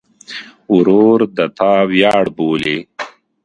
ورور د تا ویاړ بولې.